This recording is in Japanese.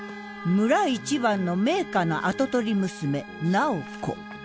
村一番の名家の跡取り娘楠宝子。